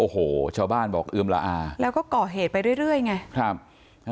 โอ้โหชาวบ้านบอกเอิ่มละอาแล้วก็เกาะเหตุไปเรื่อยเรื่อยไงเสร็จง่าย